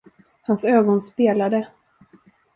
Hans ögon spelade.